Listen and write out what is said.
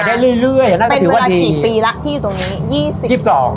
ก็ขายได้เรื่อยน่าจะถือว่าดีเป็นเวลาสี่ปีละที่ตรงนี้ยี่สิบสอง